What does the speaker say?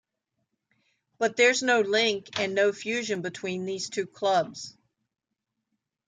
But there's no link and no fusion between these two clubs.